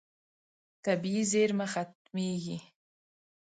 طبیعي زیرمه ختمېږي.